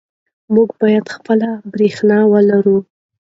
موږ باید خپله برښنا ولرو.